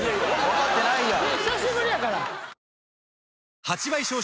分かってないやん。